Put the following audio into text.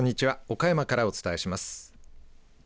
岡山からお伝えします。